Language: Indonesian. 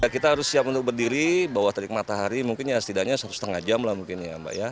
kita harus siap untuk berdiri bawa terik matahari mungkin ya setidaknya satu setengah jam lah mungkin ya mbak ya